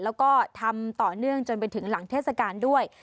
แล้วก็ทำต่อเนื่องจนไปถึงหลังเทศกาลด้วย